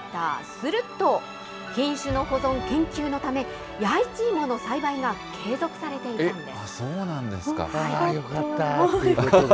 すると、品種の保存・研究のため、弥一芋の栽培が継続されていたんです。